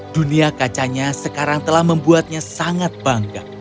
dunia kacanya sekarang telah membuatnya sangat bangga